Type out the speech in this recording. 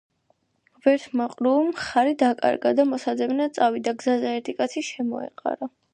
ვერთმა ყრუმ ხარი დაკარგა და მოსაძებნად წავიდა. გზაზე ერთი კაცი შემოეყარა,